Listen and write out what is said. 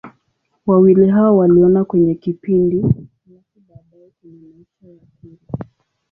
Wawili hao waliona kwenye kipindi, halafu baadaye kwenye maisha ya kweli.